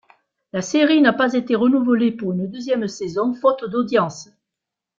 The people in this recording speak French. La série n'a pas été renouvelée pour une deuxième saison, faute d'audience.